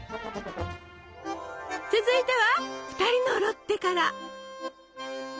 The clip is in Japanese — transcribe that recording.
続いては「ふたりのロッテ」から！